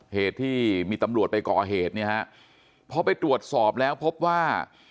เหตุที่มีตำรวจไปก่อเหตุเนี่ยฮะพอไปตรวจสอบแล้วพบว่า